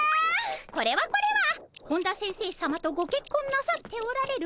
これはこれは本田先生さまとごけっこんなさっておられる